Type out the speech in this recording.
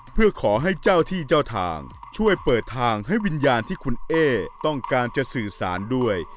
เพื่อขอให้เจ้าที่เจ้าทางช่วยเปิดทางให้วิญญาณที่คุณเอ๊ต้องการจะสื่อสารด้วย